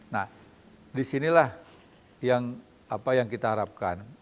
nah disinilah apa yang kita harapkan